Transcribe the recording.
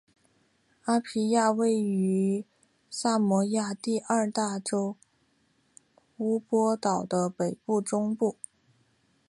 阿皮亚位于萨摩亚第二大岛乌波卢岛的北岸中部。